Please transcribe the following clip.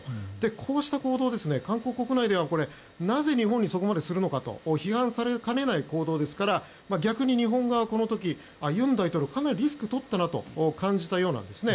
こうした行動を韓国国内ではなぜ日本にそこまでするのかと批判されかねない行動ですから逆に日本側はこの時、尹大統領かなりリスクとったなと感じたようなんです。